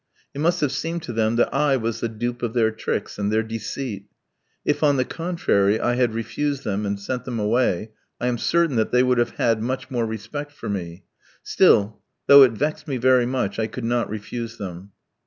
It must have seemed to them that I was the dupe of their tricks and their deceit. If, on the contrary, I had refused them and sent them away, I am certain that they would have had much more respect for me. Still, though it vexed me very much, I could not refuse them.